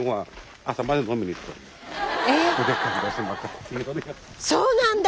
えそうなんだ！